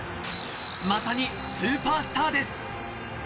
まさにスーパースターです。